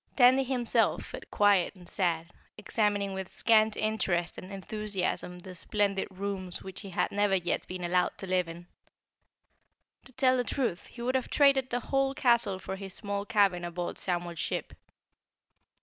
Tandy himself felt quiet and sad, examining with scant interest and enthusiasm the splendid rooms which he had never yet been allowed to live in. To tell the truth, he would have traded the whole castle for his small cabin aboard Samuel's ship.